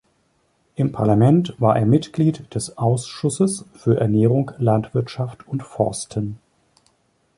Im Parlament war er Mitglied des Ausschusses für Ernährung, Landwirtschaft und Forsten.